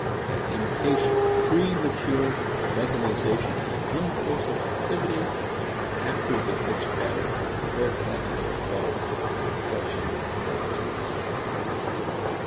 An impatient, premature mechanization of impulsive activity after the fixed pattern of adult habits of thought and affection has been desired.